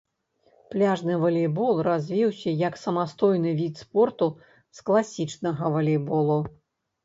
Пляжны валейбол развіўся як самастойны від спорту з класічнага валейболу.